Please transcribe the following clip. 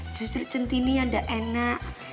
justru centini yang tidak enak